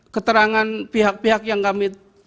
keterangan pihak pihak yang kami